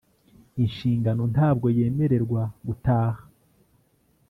inshingano ntabwo yemererwa gutaha